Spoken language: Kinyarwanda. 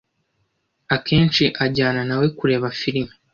Akenshi ajyana na we kureba firime.